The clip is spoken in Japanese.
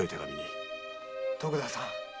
徳田さん。